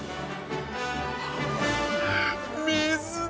水だ！